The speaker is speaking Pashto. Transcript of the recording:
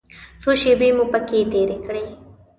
څو شېبې مو پکې تېرې کړې.